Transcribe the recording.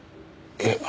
え。